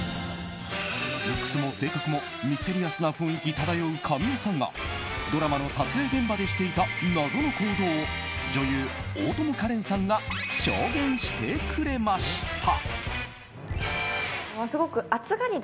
ルックスも性格もミステリアスな雰囲気漂う神尾さんがドラマの撮影現場でしていた謎の行動を女優・大友加恋さんが証言してくれました。